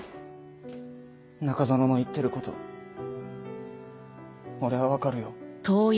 中園の言ってること俺は分かるよ。